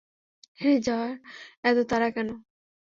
হেরে যাওয়ার এতো তাড়া কেন?